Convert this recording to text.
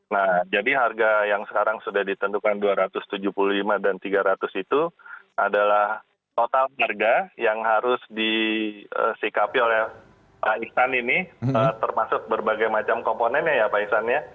nah jadi harga yang sekarang sudah ditentukan dua ratus tujuh puluh lima dan rp tiga ratus itu adalah total harga yang harus disikapi oleh pak iksan ini termasuk berbagai macam komponennya ya pak iksan ya